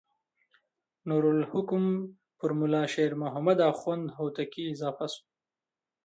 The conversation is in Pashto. نور الحکم پر ملا شیر محمد اخوند هوتکی اضافه شو.